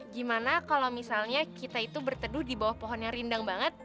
gimana kalau misalnya kita itu berteduh di bawah pohon yang rindang banget